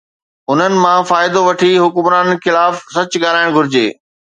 انهن مان فائدو وٺي حڪمرانن خلاف سچ ڳالهائڻ گهرجي.